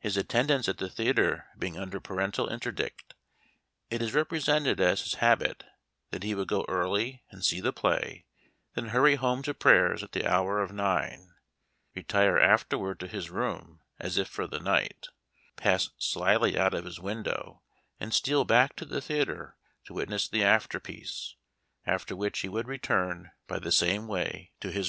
His attendance at the theater being under parental interdict, it is represented as his habit that he would go early and see the play, then hurry home to prayers at the hour of nine, retire afterward to his room as if for the night, pass slyly out of his window, and steal back to the theater to witness the afterpiece ; after which he would return by the same way to his room.